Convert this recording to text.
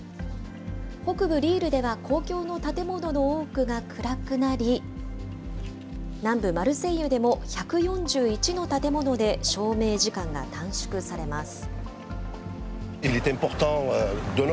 北部リールでは、公共の建物の多くが暗くなり、南部マルセイユでも１４１の建物で照明時間が短縮されます。